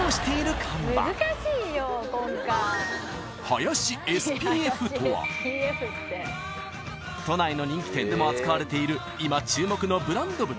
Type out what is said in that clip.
［林ＳＰＦとは都内の人気店でも扱われている今注目のブランド豚］